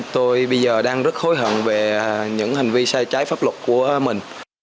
tôi bây giờ đang rất hối hận về những hành vi sai trái pháp luật của mình